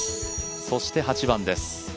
そして８番です。